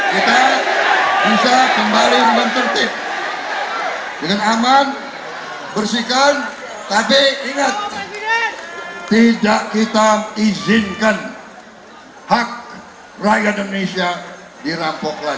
kita bisa kembali menertib dengan aman bersihkan tapi ingat tidak kita izinkan hak rakyat indonesia dirampok lagi